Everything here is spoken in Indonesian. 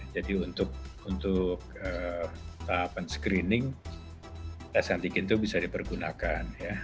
jadi untuk tahapan screening tes antigen itu bisa dipergunakan ya